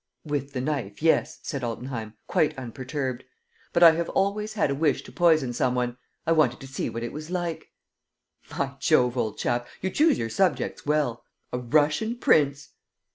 "With the knife, yes," said Altenheim, quite unperturbed. "But I have always had a wish to poison some one. I wanted to see what it was like." "By Jove, old chap, you choose your subjects well! A Russian prince!"